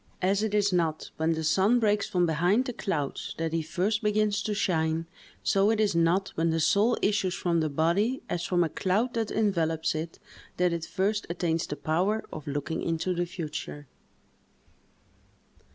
As it is not when the sun breaks from behind the clouds that he first begins to shine, so it is not when the soul issues from the body, as from a cloud that envelops it, that it first attains the power of looking into the future.